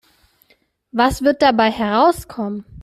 Was wird dabei herauskommen?